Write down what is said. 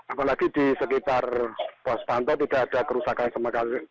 apalagi di sekitar pos pantau tidak ada kerusakan sama sekali